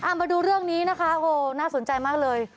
มาดูเรื่องนี้นะคะโหน่าสนใจมากเลย